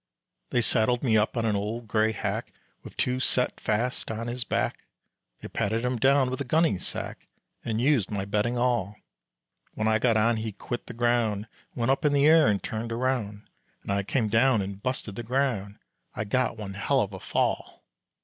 They saddled me up an old gray hack With two set fasts on his back, They padded him down with a gunny sack And used my bedding all. When I got on he quit the ground, Went up in the air and turned around, And I came down and busted the ground, I got one hell of a fall.